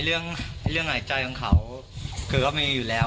เรื่องหายใจของเขาคือก็มีอยู่แล้ว